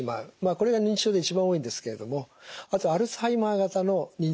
これが認知症で一番多いんですけれどもあとアルツハイマー型の認知症もございます。